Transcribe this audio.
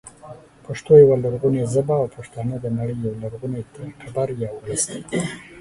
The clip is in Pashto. پښتو يوه لرغونې ژبه او پښتانه د نړۍ یو لرغونی تبر یا ولس دی